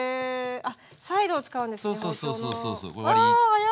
あっサイドを使うんですね包丁の。